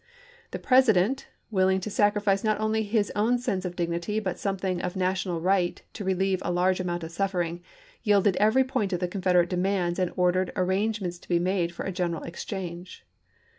The President, willing to sacrifice not only his own sense of dig nity but something of national right to relieve a large amount of suffering, yielded every point of the Confederate demands and ordered arrange ments to be made for a general exchange.